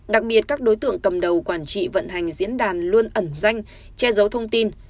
đặc biệt các đối tượng cầm đầu quản trị vận hành diễn đàn luôn ẩn danh che giấu thông tin